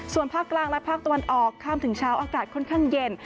ส่วนภาคกลางและภาคตะวันออกข้ามถึงเช้าอากาศค่อนข้างเย็น